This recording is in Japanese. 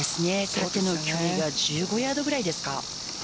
縦の距離が１５ヤードくらいですか。